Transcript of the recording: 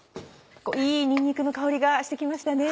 いいにんにくの香りがして来ましたね。